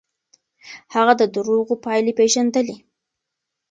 هغه د دروغو پايلې پېژندلې.